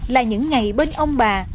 là những ngày bên ông bà